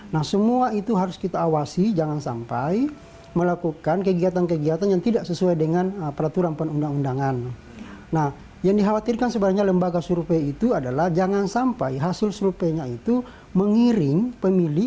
nah selesai belum ada hasil